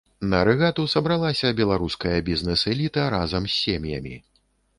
На рэгату сабралася беларуская бізнэс-эліта разам з сем'ямі.